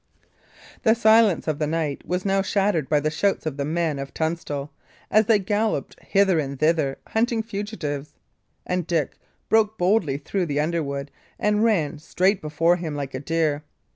The silence of the night was now shattered by the shouts of the men of Tunstall, as they galloped hither and thither, hunting fugitives; and Dick broke boldly through the underwood and ran straight before him like a deer.